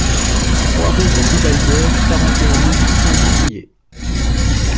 trois rue des Gilbardières, quarante et un mille cent dix Pouillé